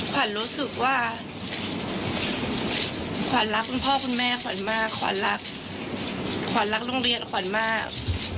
ขวัญรู้สึกว่าขวัญรักคุณพ่อคุณแม่ขวัญมากขวัญรักขวัญรักโรงเรียนขวัญมาก